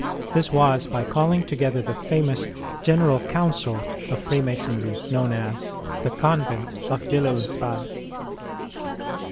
This was by calling together the famous " General Council " of Freemasoniy, known as — VII. The Convent of Wilhelmsbad.